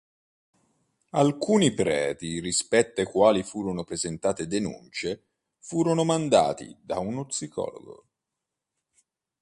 Alcuni preti, rispetto ai quali furono presentate denunce, furono mandati da uno psicologo.